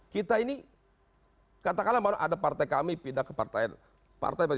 kita ini katakanlah ada partai kami pindah ke partai